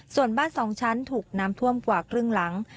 ส่วนบ้านสองชั้นถูกน้ำท่วมกว่าครึ่งหลัง